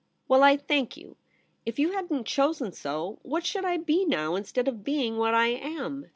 ' Well, I thank you. If you hadn't chosen so, what should I be now, instead of being what I am